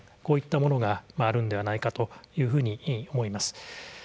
こういったものがあるのではないかと思います。